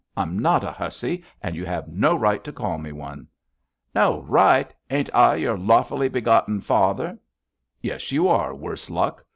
I'm not a hussy, and you have no right to call me one.' 'No right! Ain't I your lawfully begotten father?' 'Yes, you are, worse luck!